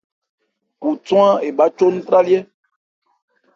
Khuthwán ebhá chó ntrályɛ́.